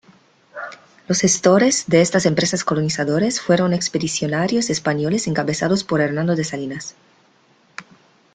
Los gestores de estas empresas colonizadores fueron expedicionarios españoles encabezados por Hernando de Salinas.